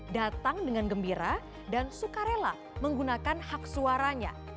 datang dengan gembira dan suka rela menggunakan hak suaranya